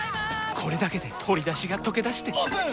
これだけで鶏だしがとけだしてオープン！